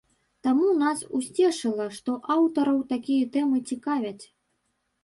Таму нас усцешыла, што аўтараў такія тэмы цікавяць.